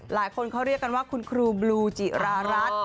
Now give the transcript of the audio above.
หลายคนเขาเรียกกันว่าคุณครูบลูจิรารัส